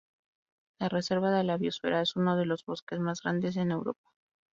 La reserva de la biosfera es uno de los bosques más grandes en Europa.